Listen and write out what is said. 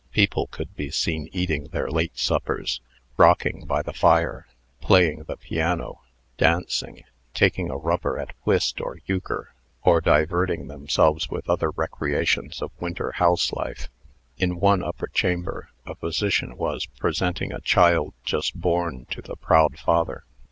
People could be seen eating their late suppers, rocking by the fire, playing the piano, dancing, taking a rubber at whist or euchre, or diverting themselves with other recreations of winter house life. In one upper chamber, a physician was presenting a child just born to the proud father.